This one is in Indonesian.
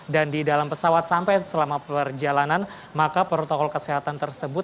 dan di dalam pesawat sampai selama perjalanan maka protokol kesehatan tersebut